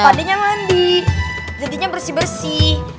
padenya ngandi jadinya bersih bersih